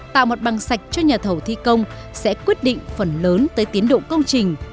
tạo mặt bằng sạch cho nhà thầu thi công sẽ quyết định phần lớn tới tiến độ công trình